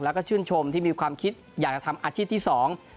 แล้วก็ชื่นชมที่มีความคิดอยากจะทำอาชีพที่สอง